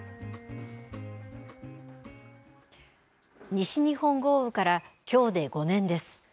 西日本豪雨からきょうで５年です。